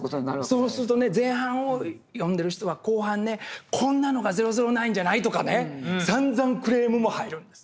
そうするとね前半を読んでる人は後半ねこんなのが「００９」じゃないとかねさんざんクレームも入るんです。